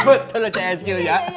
betul loh csq ya